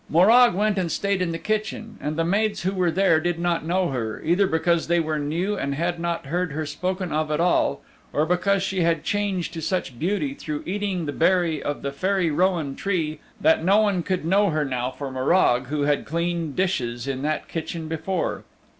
Morag went and stayed in the kitchen, and the maids who were there did not know her, either because they were new and had not heard her spoken of at all, or because she had changed to such beauty through eating the berry of the Fairy Rowan Tree that no one could know her now for Morag who had cleaned dishes in that kitchen before.